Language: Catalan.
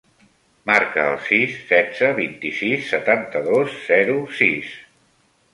Marca el sis, setze, vint-i-sis, setanta-dos, zero, sis.